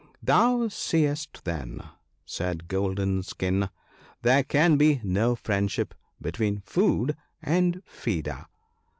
1 Thou seest, then,' said Golden skin, * there can be no friendship between food and feeder.'